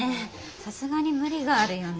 さすがに無理があるよね。